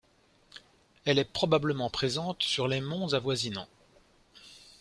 Elle est probablement présente sur les monts avoisinants.